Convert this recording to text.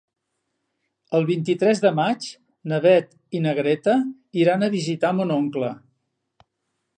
El vint-i-tres de maig na Beth i na Greta iran a visitar mon oncle.